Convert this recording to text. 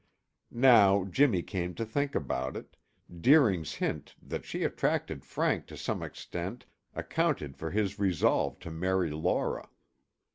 Now Jimmy came to think about it, Deering's hint that she attracted Frank to some extent accounted for his resolve to marry Laura.